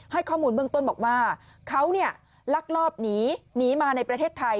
ให้ข้อมูลเบื้องต้นบอกว่าเขาลักลอบหนีหนีมาในประเทศไทย